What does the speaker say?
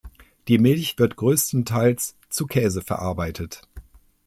Die Milch wird grösstenteils zu Käse verarbeitet.